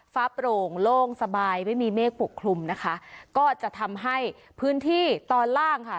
โปร่งโล่งสบายไม่มีเมฆปกคลุมนะคะก็จะทำให้พื้นที่ตอนล่างค่ะ